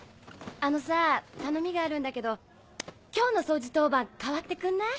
あのさ頼みがあるんだけど今日の掃除当番代わってくんない？